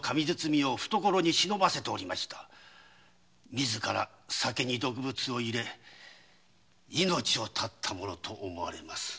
自ら酒に毒物を入れ命を絶ったものと思われまする。